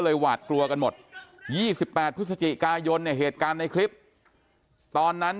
หวาดกลัวกันหมด๒๘พฤศจิกายนเนี่ยเหตุการณ์ในคลิปตอนนั้น